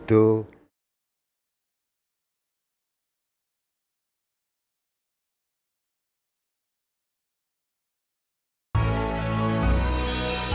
dia tidak akan berpengaruh untuk mencari pekerjaan lagi